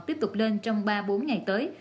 tiếp tục lên trong ba bốn ngày tới